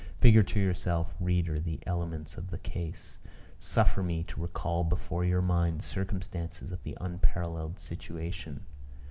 Figure to yourself, reader, the elements of the case; suffer me to recall before your mind the circumstances of the unparalleled situation.